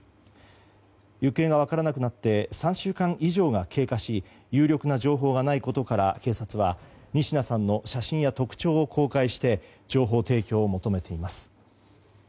行方が分からなくなって３週間以上が経過し有力な情報がないことから警察は仁科さんの写真や特徴を公開して情報提供を求めています。